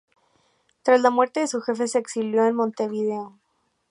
Tras la muerte de su jefe se exilió en Montevideo.